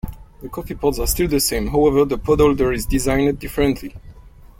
The coffee pods are still the same, however the pod holder is designed differently.